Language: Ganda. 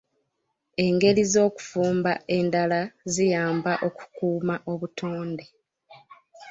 Engeri ez'okufumba endala ziyamba okukuuma obutonde.